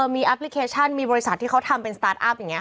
มีแอปพลิเคชันมีบริษัทที่เขาทำเป็นสตาร์ทอัพอย่างนี้